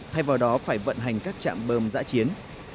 thay vào đó phải vận hành các trạm bơm giã chiến